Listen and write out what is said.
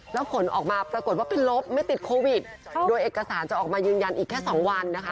แล้วผลออกมาปรากฏว่าเป็นลบไม่ติดโควิดโดยเอกสารจะออกมายืนยันอีกแค่๒วันนะคะ